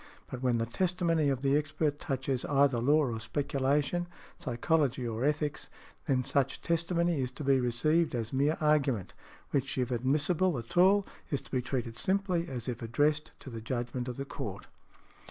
But when the testimony of the expert touches either law or speculation, psychology or ethics, then such testimony is to be received as mere argument, which if admissible at all is to be treated simply as if addressed to the judgment of the Court .